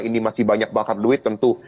ini masih banyak bakar duit tentu